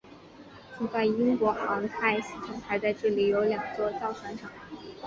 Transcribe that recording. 现在英国航太系统还在这里有两座造船厂。